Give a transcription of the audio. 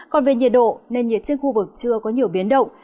còn về nhiệt độ nền nhiệt trên khu vực chưa có nhiều biến động